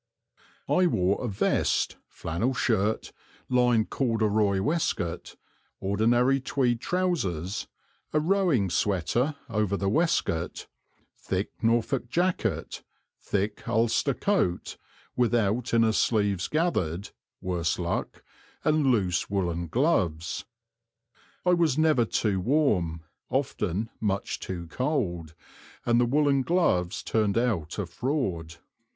I wore a vest, flannel shirt, lined corduroy waistcoat, ordinary tweed trousers, a rowing "sweater" over the waistcoat, thick Norfolk jacket, thick Ulster coat without inner sleeves gathered, worse luck and loose woollen gloves. I was never too warm, often much too cold, and the woollen gloves turned out a fraud.